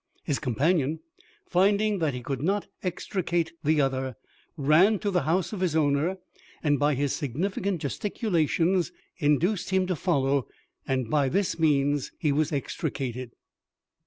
His companion finding that he could not extricate the other, ran to the house of his owner, and by his significant gesticulations induced him to follow; and by this means he was extricated.